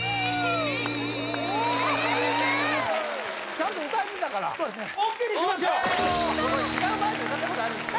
ちゃんと歌えてたからＯＫにしましょう僕は違うバージョン歌ったことあるんですよ